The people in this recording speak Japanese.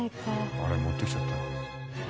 あれ持って来ちゃった。